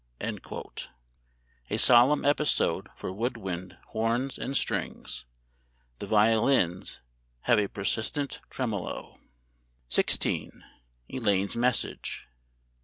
[A solemn episode for wood wind, horns, and strings; the violins have a persistent tremolo.] XVI. "ELAINE'S MESSAGE."